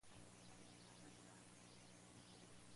Las montañas se sitúan al suroeste.